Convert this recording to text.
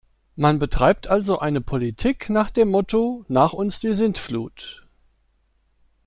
Man betreibt also eine Politik nach dem Motto "nach uns die Sintflut".